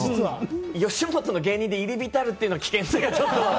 吉本の芸人で入りびたるっていう危険性がちょっと。